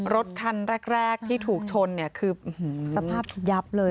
รถคันแรกที่ถูกชนเนี่ยคือสภาพยับเลย